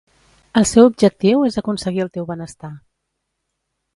El seu objectiu és aconseguir el teu benestar.